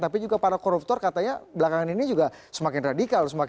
tapi juga para koruptor katanya belakangan ini juga semakin radikal